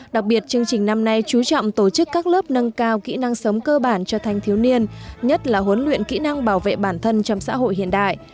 đặc biệt chương trình năm nay chú trọng tổ chức các lớp nâng cao kỹ năng sống cơ bản cho thanh thiếu niên nhất là huấn luyện kỹ năng bảo vệ bản thân trong xã hội hiện đại